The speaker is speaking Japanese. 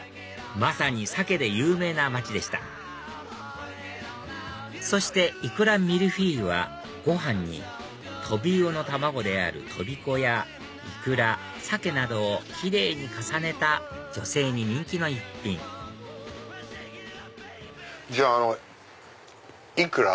まさにサケで有名な街でしたそしていくらミルフィーユはご飯にトビウオの卵であるトビコやイクラサケなどをキレイに重ねた女性に人気の一品じゃあイクラ？